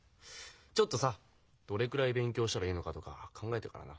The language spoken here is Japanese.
ちょっとさどれくらい勉強したらいいのかとか考えてからな。